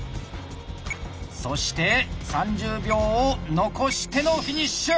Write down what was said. そして３０秒を残してのフィニッシュ！